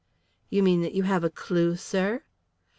"You mean that you have a clue, sir."